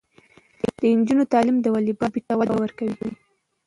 د نجونو تعلیم د والیبال لوبې ته وده ورکوي.